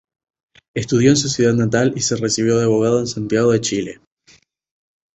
Estudió en su ciudad natal y se recibió de abogado en Santiago de Chile.